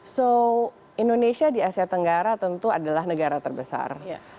so indonesia di asia tenggara tentu adalah negara terbesar